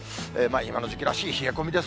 今の時期らしい冷え込みです。